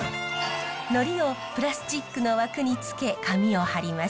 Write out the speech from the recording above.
のりをプラスチックの枠につけ紙を貼ります。